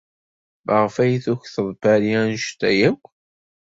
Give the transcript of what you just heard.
Maɣef ay tukḍed Paris anect-a akk?